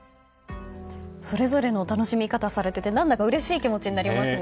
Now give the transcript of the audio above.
それぞれの楽しみ方をされてて何だかうれしい気持ちになりますね。